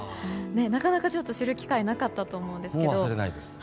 なかなか知る機会がなかったと思うんですけど。